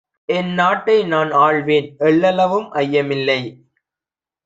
என்நாட்டை நான்ஆள்வேன்! எள்ளளவும் ஐயமில்லை!